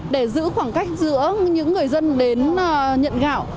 để giữ khoảng cách giữa những người dân đến nhận gạo